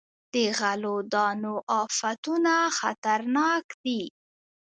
د غلو دانو افتونه خطرناک دي.